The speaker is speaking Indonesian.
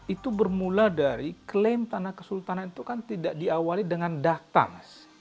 itu bermula dari klaim tanah kesultanan itu kan tidak diawali dengan datang